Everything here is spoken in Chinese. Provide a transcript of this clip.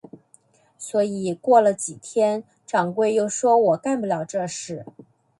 所以过了几天，掌柜又说我干不了这事。